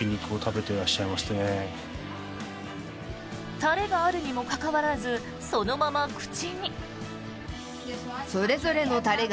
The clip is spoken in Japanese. タレがあるにもかかわらずそのまま口に。